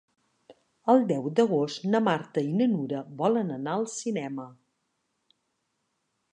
El deu d'agost na Marta i na Nura volen anar al cinema.